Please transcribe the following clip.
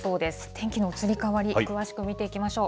天気の移り変わり、詳しく見ていきましょう。